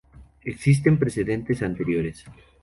Existen precedentes anteriores.